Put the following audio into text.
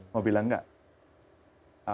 mau bilang enggak